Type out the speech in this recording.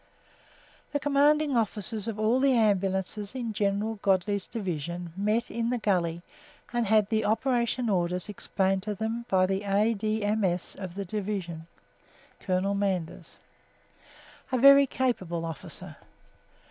The commanding officers of all the ambulances in General Godley's Division met in the gully and had the operation orders explained to them by the A.D.M.S. of the Division, Colonel Manders, a very capable officer.